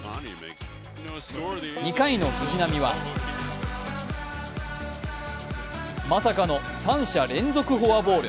２回の藤浪はまさかの３者連続フォアボール。